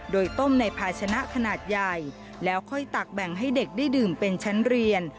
โดยต้มในภาชนะขนาดใหญ่แล้วค่อยตักแบ่งให้เด็กได้ดื่มเป็นชั้นเรียน